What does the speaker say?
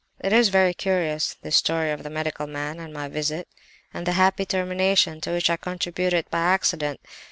"It is very curious, this story of the medical man, and my visit, and the happy termination to which I contributed by accident!